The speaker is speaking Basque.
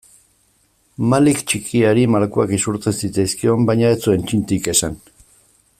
Malik txikiari malkoak isurtzen zitzaizkion baina ez zuen txintik esan.